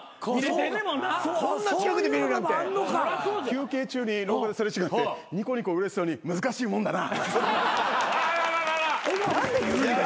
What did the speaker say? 休憩中に廊下で擦れ違ってニコニコうれしそうに「難しいもんだな」何で言うんだ。